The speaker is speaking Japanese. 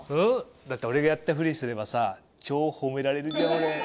だって俺がやったフリしてれば超褒められるじゃん俺。